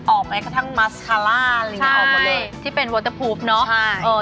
ออกแม้กระทั่งมาสคาล่าหรืออะไรออกมาเลยใช่ที่เป็นวอเตอร์พูฟเนอะใช่